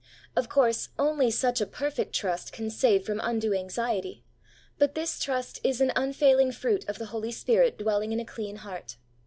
Of course, only such a perfect trust can save from undue anxiety, but this trust is an unfailing fruit of the Holy Spirit dwelling in a clean heart.